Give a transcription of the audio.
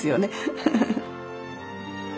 フフフッ。